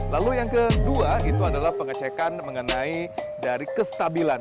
lalu yang kedua itu adalah pengecekan mengenai dari kestabilan